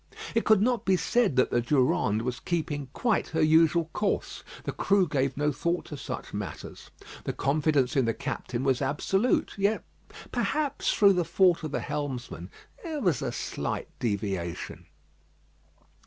It could not be said that the Durande was keeping quite her usual course. The crew gave no thought to such matters. The confidence in the captain was absolute; yet, perhaps through the fault of the helmsman, there was a slight deviation.